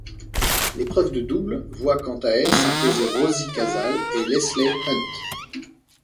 L'épreuve de double voit quant à elle s'imposer Rosie Casals et Lesley Hunt.